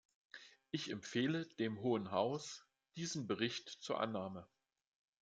Ich empfehle dem Hohen Haus diesen Bericht zur Annahme.